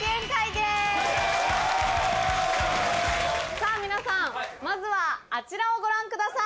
さぁ皆さんまずはあちらをご覧ください。